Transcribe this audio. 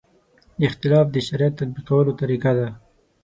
دا اختلاف د شریعت تطبیقولو طریقه ده.